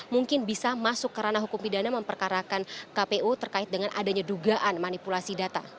mungkin bisa masuk ke ranah hukum pidana memperkarakan kpu terkait dengan adanya dugaan manipulasi data